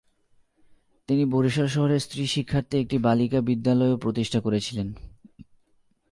তিনি বরিশাল শহরে স্ত্রী শিক্ষার্থে একটি বালিকা বিদ্যালয়ও প্রতিষ্ঠা করেছিলেন।